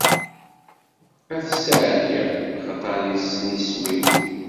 Ad t-ssaɛliɣ axaṭer issen isem-iw.